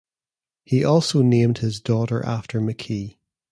He also named his daughter after McKee.